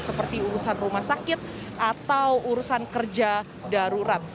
seperti urusan rumah sakit atau urusan kerja darurat